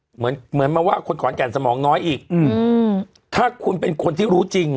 เหมือนเหมือนมาว่าคนขอนแก่นสมองน้อยอีกอืมถ้าคุณเป็นคนที่รู้จริง